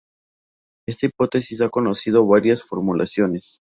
Esta Hipótesis ha conocido varias formulaciones.